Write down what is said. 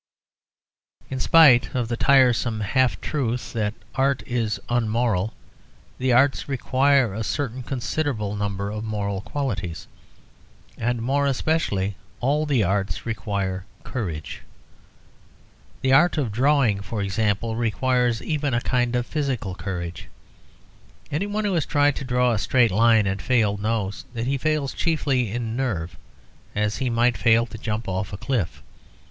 In spite of the tiresome half truth that art is unmoral, the arts require a certain considerable number of moral qualities, and more especially all the arts require courage. The art of drawing, for example, requires even a kind of physical courage. Anyone who has tried to draw a straight line and failed knows that he fails chiefly in nerve, as he might fail to jump off a cliff.